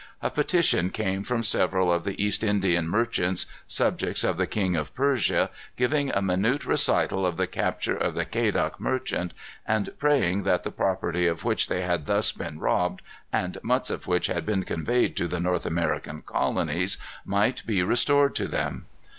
A petition came from several of the East Indian merchants, subjects of the King of Persia, giving a minute recital of the capture of the Quedagh Merchant, and praying that the property of which they had thus been robbed, and much of which had been conveyed to the North American colonies, might be restored to them.